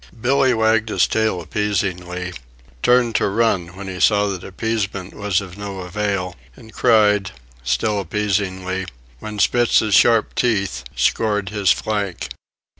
Billee wagged his tail appeasingly, turned to run when he saw that appeasement was of no avail, and cried (still appeasingly) when Spitz's sharp teeth scored his flank.